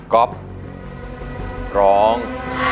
ก๊อฟร้อง